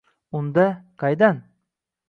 — Unda… Qaydan?